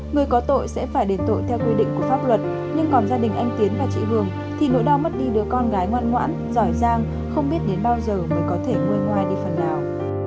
người có tội sẽ phải đền tội theo quy định của pháp luật nhưng còn gia đình anh tiến và chị hương thì nỗi đau mất đi đứa con gái ngoan ngoãn giỏi giang không biết đến bao giờ mới có thể ngôi ngoài đi phần nào